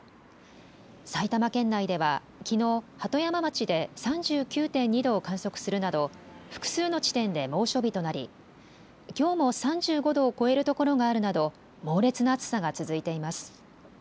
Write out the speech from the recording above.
埼玉県内ではきのう鳩山町で３９．２度を観測するなど複数の地点で猛暑日となりきょうも３５度を超えるところがあるなど猛烈な暑さが続いています。